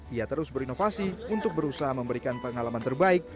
ia terus berinovasi untuk berusaha memberikan pengalaman terbaik